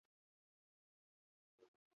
Ibai hau ez da sekula hain hazita jaitsi.